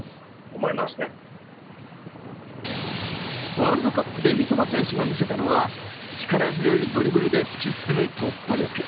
ワールドカップで三笘選手が見せたのは、力強いドリブルで突き進む突破力。